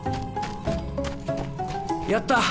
やった！